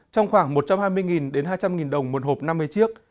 trong khoảng một trăm hai mươi đến hai trăm linh đồng một hộp năm mươi chiếc